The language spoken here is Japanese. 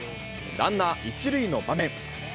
ランナー１塁の場面。